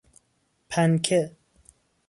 پنکه